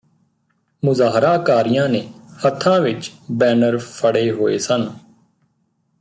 ਮੁਜ਼ਾਹਰਾਕਾਰੀਆਂ ਨੇ ਹੱਥਾਂ ਵਿਚ ਬੈਨਰ ਫੜੇ ਹੋਏ ਸਨ